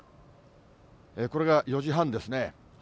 これが４時半ですね。